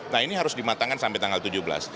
nah ini harus dimatangkan sampai tanggal tujuh belas